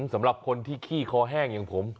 สำหรับคนที่ขี้คอแห้งอย่างผม